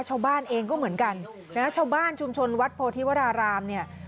ชาวบ้านเองก็เหมือนกันชาวบ้านชุนโรงชภาคนวัดโพธิวรราหรามเนี่ย